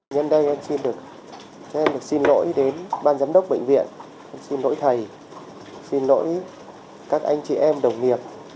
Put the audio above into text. nhân đây em xin được xin lỗi đến ban giám đốc bệnh viện xin lỗi thầy xin lỗi các anh chị em đồng nghiệp